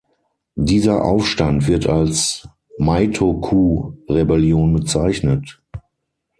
Dieser Aufstand wird als Meitoku-Rebellion bezeichnet.